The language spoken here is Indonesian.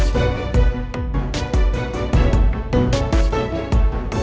toiletnya dimana ya